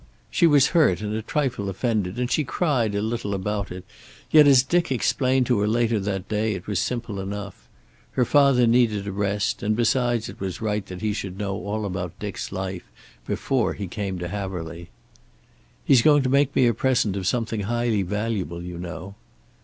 She was hurt and a trifle offended, and she cried a little about it. Yet, as Dick explained to her later that day, it was simple enough. Her father needed a rest, and besides, it was right that he should know all about Dick's life before he came to Haverly. "He's going to make me a present of something highly valuable, you know."